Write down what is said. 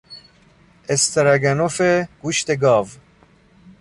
استرگنف گوشت گاو